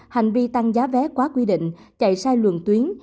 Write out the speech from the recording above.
hành vi tăng giá vé quá quy định chạy sai luồng tuyến